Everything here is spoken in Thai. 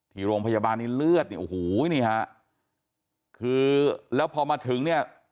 ที่โรงพยาบาลนี้เลือดเนี่ยโอ้โหนี่ฮะคือแล้วพอมาถึงเนี่ย